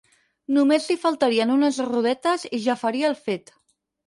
Només li faltarien unes rodetes i ja faria el fet.